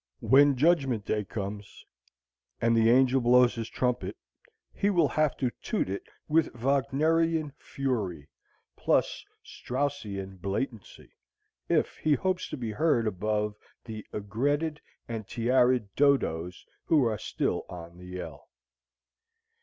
When Judgment Day comes and the angel blows his trumpet, he will have to toot it with Wagnerian fury plus Straussian blatancy if he hopes to be heard above the aigretted and tiaraed dodos who are still on the yell.